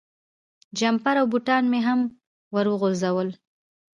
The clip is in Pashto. جمپر او بوټان مې هم ور وغورځول.